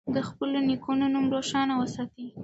د خپلو نیکونو نوم روښانه وساتئ.